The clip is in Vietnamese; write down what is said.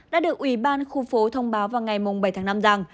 đã được ủy ban khu phố thông báo vào ngày bảy tháng năm rằng